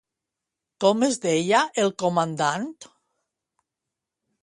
Com es deia el comandant?